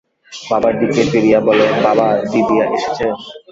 বাবার দিকে ফিরিয়া বলে, বাবা, দিদি এসেছে?